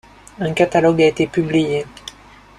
Un catalogue a été publié.